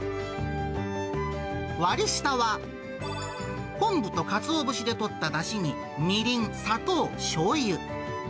割り下は昆布とかつお節でとっただしに、みりん、砂糖、しょうゆ。